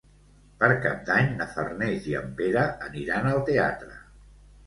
Per Cap d'Any na Farners i en Pere aniran al teatre.